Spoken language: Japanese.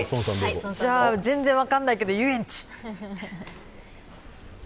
全然分かんないけど、遊園地。